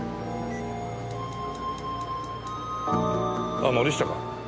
ああ森下か。